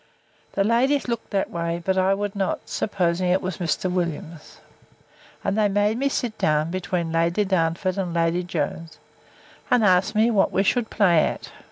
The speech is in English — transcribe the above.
The ladies looked that way: but I would not, supposing it was Mr. Williams. And they made me sit down between Lady Darnford and Lady Jones; and asked me, what we should play at?